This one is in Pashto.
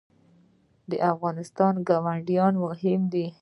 د افغانستان ګاونډیان مهم دي